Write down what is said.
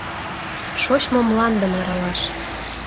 ШОЧМО МЛАНДЫМ АРАЛАШ